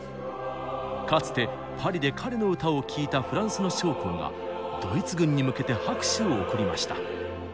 かつてパリで彼の歌を聴いたフランスの将校がドイツ軍に向けて拍手を送りました。